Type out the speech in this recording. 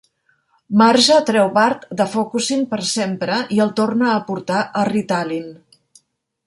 Marge treu Bart de Focusyn per sempre i el torna a portar a Ritalin.